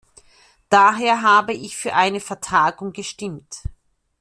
Daher habe ich für eine Vertagung gestimmt.